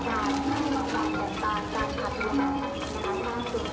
สวัสดีครับข้างหลังครับ